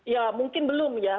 ya mungkin belum ya